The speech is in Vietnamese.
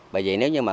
bởi vì nếu như